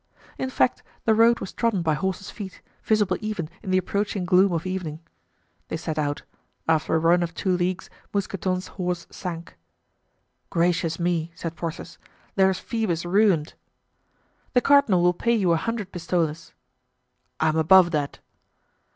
In fact, the road was trodden by horses' feet, visible even in the approaching gloom of evening. They set out; after a run of two leagues, Mousqueton's horse sank. "Gracious me!" said Porthos, "there's Phoebus ruined." "The cardinal will pay you a hundred pistoles." "I'm above that."